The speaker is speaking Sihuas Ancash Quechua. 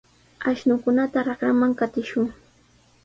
Ashnukunata raqraman qatishun.